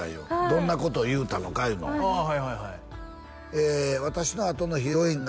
どんなこと言うたのかいうのをああ